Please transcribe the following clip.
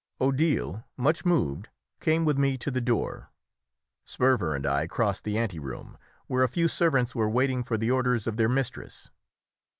Odile, much moved, came with me to the door. Sperver and I crossed the ante room, where a few servants were waiting for the orders of their mistress.